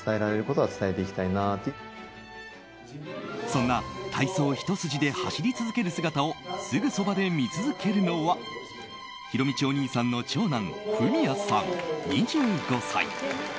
そんな体操ひと筋で走り続ける姿をすぐそばで見続けるのはひろみちお兄さんの長男文哉さん、２５歳。